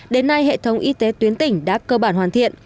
đến nay hệ thống y tế tuyến tỉnh đã cơ bản hoàn thiện